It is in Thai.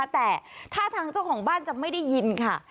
แต่ท่าทางเจ้าของบ้านจะไม่ได้ยินค่ะ